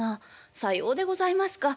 さようでございますか。